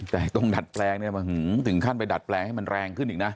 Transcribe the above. แต่ตรงดัดแปลงเนี่ยถึงขั้นไปดัดแปลงให้มันแรงขึ้นอีกนะ